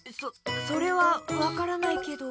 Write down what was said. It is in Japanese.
そそれはわからないけど。